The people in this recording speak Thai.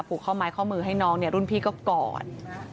ผูกข้อมายข้อมือให้น้องรุ่นพี่ก็กอด